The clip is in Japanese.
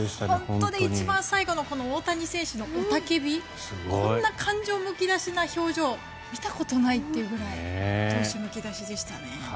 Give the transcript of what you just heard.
本当に一番最後の大谷選手の雄たけびこんな感情むき出しの表情見たことないというぐらい闘志むき出しでしたね。